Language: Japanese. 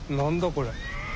これ。